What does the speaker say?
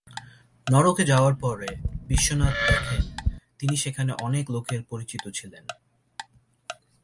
নরকে যাওয়ার পরে বিশ্বনাথ দেখেন তিনি সেখানে অনেক লোকের পরিচিত ছিলেন।